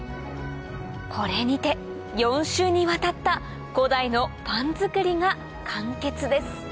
これにて４週にわたった古代のパン作りが完結です